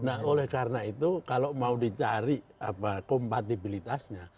nah oleh karena itu kalau mau dicari kompatibilitasnya